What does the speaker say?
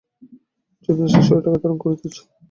যতদিন ইচ্ছা শরীরটাকে ধারণ করিতেছ।